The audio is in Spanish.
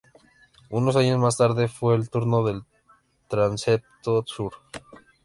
Unos años más tarde fue el turno del transepto sur.